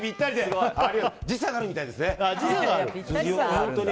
時差があるみたいですね。